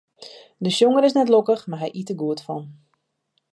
De sjonger is net lokkich, mar hy yt der goed fan.